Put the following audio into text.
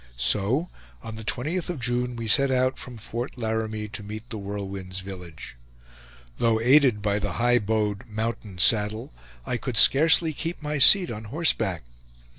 So on the 20th of June we set out from Fort Laramie to meet The Whirlwind's village. Though aided by the high bowed "mountain saddle," I could scarcely keep my seat on horseback.